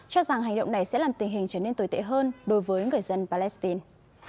cho rằng hành động này sẽ làm tình hình trở nên tồi tệ hơn đối với người dân palestine